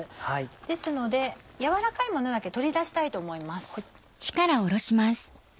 ですので軟らかいものだけ取り出したいと思います。